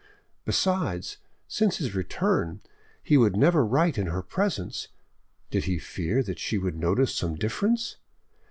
Besides, since his return, he would never write in her presence, did he fear that she would notice some difference?